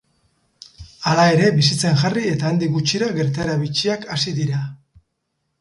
Halere, bizitzen jarri eta handik gutxira, gertaera bitxiak hasi dira.